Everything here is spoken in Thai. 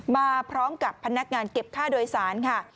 มาพร้อมกับพนักงานเก็บค่าโดยสารค่ะ